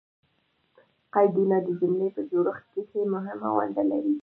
قیدونه د جملې په جوړښت کښي مهمه ونډه لري.